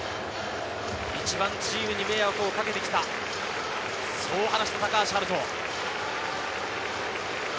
一番チームに迷惑をかけてきた、そう話した高橋遥人。